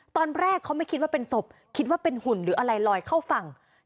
ตอนแรกเขาไม่คิดว่าเป็นศพคิดว่าเป็นหุ่นหรืออะไรลอยเข้าฝั่ง